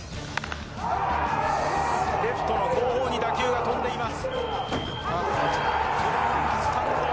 レフトの後方に打球が飛んでいます。